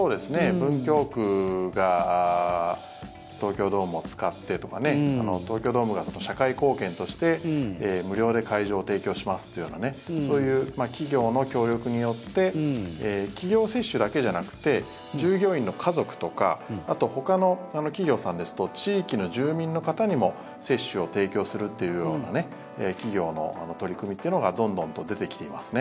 文京区が東京ドームを使ってとか東京ドームが社会貢献として無料で会場を提供しますというようなそういう企業の協力によって企業接種だけじゃなくて従業員の家族とかあと、ほかの企業さんですと地域の住民の方にも接種を提供するというような企業の取り組みっていうのがどんどんと出てきていますね。